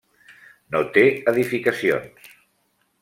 No té edificacions.